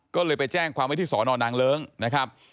ก็เลยไปแจ้งความไว้ที่สอนอนนางเลิ้งนะครับ